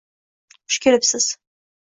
Xush kelibsiz!